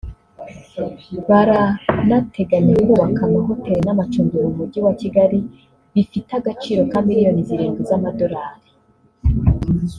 Baranateganya kubaka ama hotel n’amacumbi mu Mujyi wa Kigali bifite agaciro ka miliyoni zirindwi z’amadorali